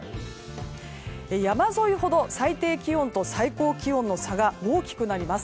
山沿いほど最低気温と最高気温の差が大きくなります。